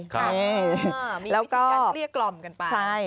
ครับมีวิธีการเรียกกล่อมกันไปแล้วก็ใช่